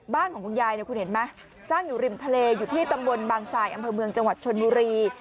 บ้านของคุณยายเนี่ยคุณเห็นไหมสร้างอยู่ริมทะเลอยู่ที่ตำบลบางสายอำเภอเมืองจังหวัดชนบุรี